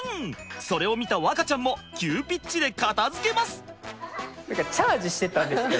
それを見た和花ちゃんも急ピッチで片づけます！